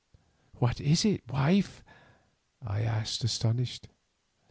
"What is it, wife?" I asked astonished.